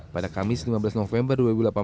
pada kamis lima belas november dua ribu delapan belas